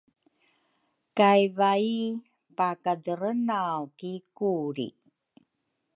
kay vai pakaderenaw ki kuli.